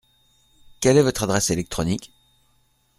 Quelle est votre adresse électronique ?